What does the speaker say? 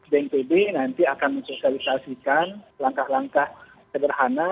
bnpb nanti akan mensosialisasikan langkah langkah sederhana